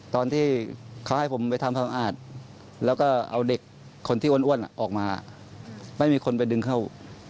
ตอนที่เขาให้ผมไปทำความสะอาดแล้วก็เอาเด็กคนที่อ้วนออกมาไม่มีคนไปดึงเข้า